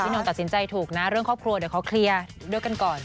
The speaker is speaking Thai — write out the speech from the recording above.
นงตัดสินใจถูกนะเรื่องครอบครัวเดี๋ยวขอเคลียร์ด้วยกันก่อน